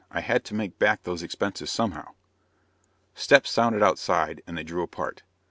I had to make back those expenses somehow." Steps sounded outside and they drew apart.